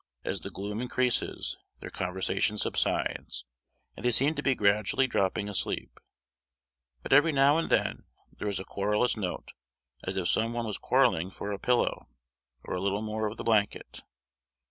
As the gloom increases, their conversation subsides, and they seem to be gradually dropping asleep; but every now and then there is a querulous note, as if some one was quarrelling for a pillow, or a little more of the blanket.